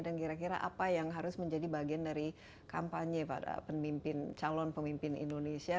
dan kira kira apa yang harus menjadi bagian dari kampanye pada calon pemimpin indonesia